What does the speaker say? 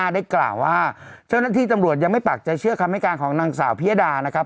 ได้กล่าวว่าเจ้าหน้าที่ตำรวจยังไม่ปักใจเชื่อคำให้การของนางสาวพิยดานะครับ